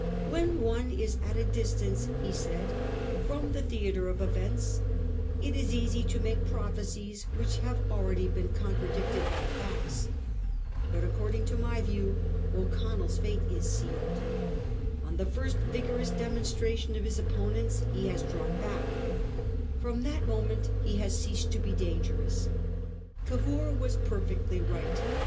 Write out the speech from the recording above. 'When one is at a distance,' he said, 'from the theatre of events, it is easy to make prophecies which have already been contradicted by facts. But accord ing to my view O'Connell's fate is sealed. On the first vigorous demonstration of his opponents he has drawn back ; from that moment he has ceased to be dangerous.' Cavour was perfectly right.